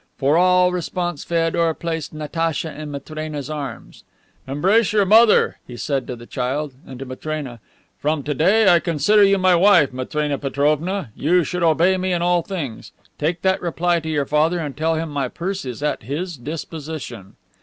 For all response Feodor placed Natacha in Matrena's arms. "Embrace your mother," he said to the child, and to Matrena, "From to day I consider you my wife, Matrena Petrovna. You should obey me in all things. Take that reply to your father and tell him my purse is at his disposition."